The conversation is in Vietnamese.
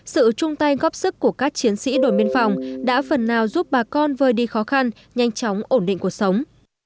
sự chung tay góp sức của các chiến sĩ đồn biên phòng đã phần nào giúp bà con vơi đi khó khăn nhanh chóng ổn định cuộc sống